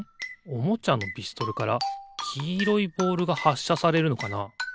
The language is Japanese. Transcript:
おもちゃのピストルからきいろいボールがはっしゃされるのかな。